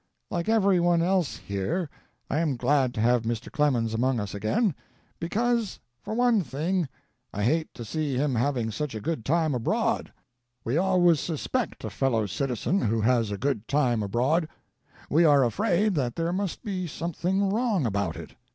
"Like everyone else here, I am glad to have Mr. Clemens among us again, because, for one thing, I hate to see him having such a good time abroad. We always suspect a fellow citizen who has a good time abroad; we are afraid that there must be something wrong about it.